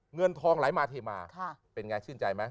เงินทองไหลมาเทมาเป็นไงชื่นใจไหม